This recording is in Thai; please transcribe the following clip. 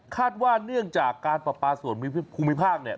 คาดว่าเนื่องจากการปลาปลาสวนภูมิภาคเนี่ย